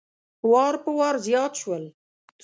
وار په وار زیات شول.